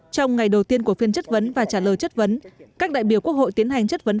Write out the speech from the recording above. trong ngày đầu tiên của phiên chất vấn và trả lời chất vấn các đại biểu quốc hội tiến hành chất vấn